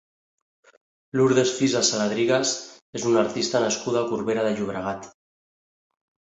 Lourdes Fisa Saladrigas és una artista nascuda a Corbera de Llobregat.